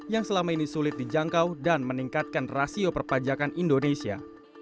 yang selama ini sulit dijangkau dan meningkatkan rasio perpajakan indonesia